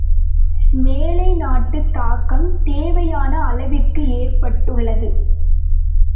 மேலை நாட்டுத் தாக்கம் தேவையான அளவிற்கு ஏற்பட்டுள்ளது.